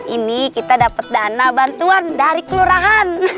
ini kita dapat dana bantuan dari kelurahan